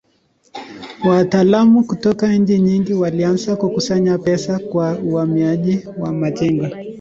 Wataalamu kutoka nchi nyingi walianza kukusanya pesa kwa uhamisho wa majengo.